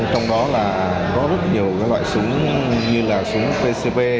trong đó có rất nhiều loại súng như là súng pcb